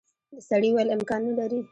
سړي وویل امکان نه لري.